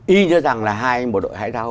ý như rằng là hai bộ đội hái rau